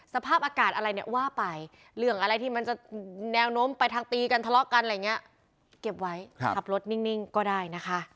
สภาพอากาศอะไรว่าไปเรื่องอะไรที่มันแนวนมไปทางตีกันทลอกกันอะไรอย่างเก็บไว้ขับรถนิ่งก็ได้